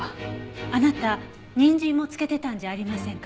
あなたにんじんも漬けてたんじゃありませんか？